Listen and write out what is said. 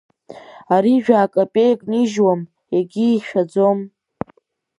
Ари жәа-капеик нижьуам, егьи ишәаӡом.